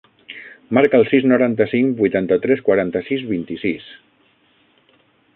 Marca el sis, noranta-cinc, vuitanta-tres, quaranta-sis, vint-i-sis.